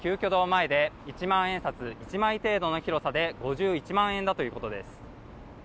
前で一万円札１枚程度の広さで５１万円だということです。